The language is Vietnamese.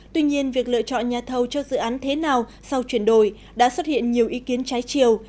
tuy nhiên việc lựa chọn nhà thầu cho dự án thế nào sau chuyển đổi đã xuất hiện nhiều ý kiến trái chiều